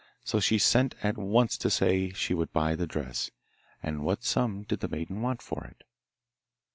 So she sent at once to say she would buy the dress, and what sum did the maiden want for it.